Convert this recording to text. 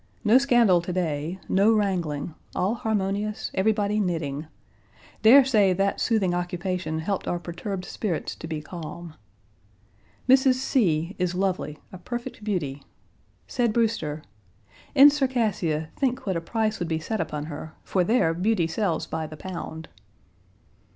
No scandal to day, no wrangling, all harmonious, everybody knitting. Dare say that soothing occupation helped our perturbed spirits to be calm. Mrs. C is lovely, a perfect beauty. Said Brewster: "In Circassia, think what a price would be set upon her, for there beauty sells by the pound!"